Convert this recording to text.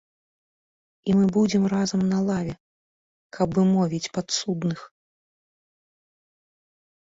І мы будзем разам на лаве, так бы мовіць, падсудных.